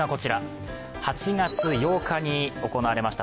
８月８日に行われました